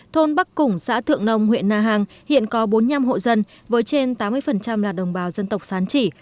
thôn bắc củng xã thượng nông huyện na hàng hiện có bốn mươi năm hộ dân với trên tám mươi là đồng bào dân tộc sán chỉ